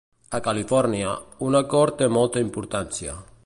A California, un acord té molta importància.